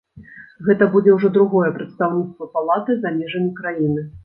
Гэта будзе ўжо другое прадстаўніцтва палаты за межамі краіны.